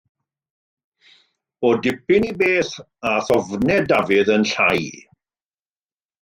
O dipyn i beth, aeth ofnau Dafydd yn llai.